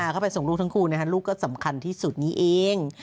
เข้าไปส่งลูกทั้งคู่ลูกก็สำคัญที่สุดนี้เอง